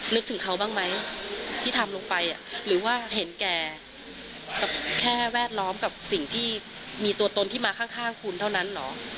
นึกถึงเขาบ้างไหมที่ทำลงไปหรือว่าเห็นแก่กับแค่แวดล้อมกับสิ่งที่มีตัวตนที่มาข้างคุณเท่านั้นเหรอ